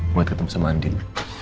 buat ketemu sama andin